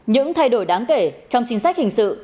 những thay đổi đáng kể trong chính sách hình sự